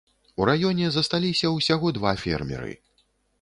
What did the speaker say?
У раёне засталіся ўсяго два фермеры.